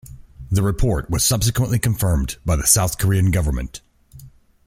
The report was subsequently confirmed by the South Korean government.